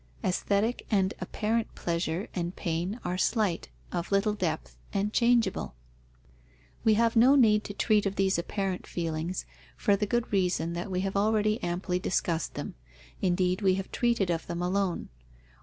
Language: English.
Aesthetic and apparent pleasure and pain are slight, of little depth, and changeable." We have no need to treat of these apparent feelings, for the good reason that we have already amply discussed them; indeed, we have treated of them alone.